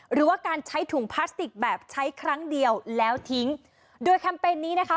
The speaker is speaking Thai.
หรือว่าการใช้ถุงพลาสติกแบบใช้ครั้งเดียวแล้วทิ้งโดยแคมเปญนี้นะคะ